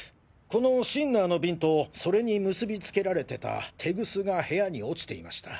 このシンナーのビンとそれに結びつけられてたテグスが部屋に落ちていました。